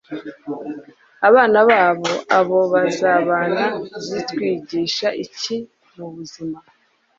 abana babo abo bazabana zitwigisha iki mubuzima